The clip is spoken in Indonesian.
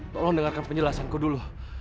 tolong dengarkan penjelasanku dulu